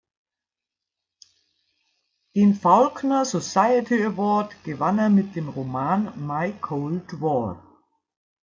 Den Faulkner Society Award gewann er mit dem Roman "My Cold War".